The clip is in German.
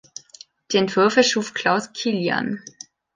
Die Entwürfe schuf Claus Kilian.